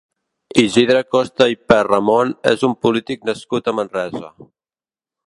Isidre Costa i Perramon és un polític nascut a Manresa.